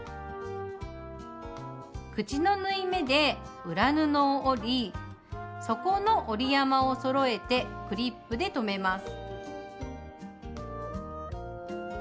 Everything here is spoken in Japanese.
口の縫い目で裏布を折り底の折り山をそろえてクリップで留めます。